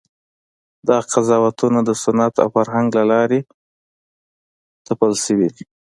دغه قضاوتونه د سنت او فرهنګ له لارې تپل شوي دي.